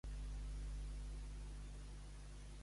Semblar uns àrguens desclavats.